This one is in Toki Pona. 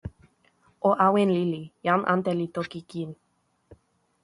o awen lili. jan ante li toki kin.